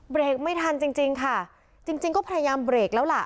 เบรกไม่ทันจริงจริงค่ะจริงจริงก็พยายามเบรกแล้วล่ะ